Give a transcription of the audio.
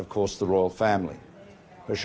จงกิจท